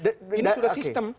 ini sudah sistem